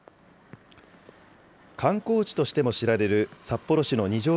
観光地としても知られる、札幌市の二条